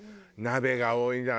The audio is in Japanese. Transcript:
鍋が多いな。